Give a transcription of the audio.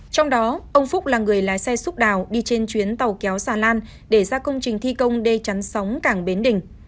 trong đó ông phúc là người lái xe xúc đào đi trên chuyến tàu kéo xà lan để ra công trình thi công đê chắn sóng cảng bến đình